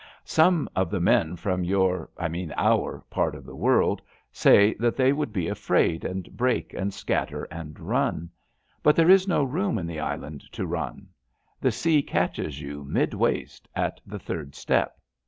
Some of the men from your — ^I mean our — ^part of the world say that they would be afraid and break and scatter and run. But there is no room in the island to run. The sea catches you, midwaist, at the third step.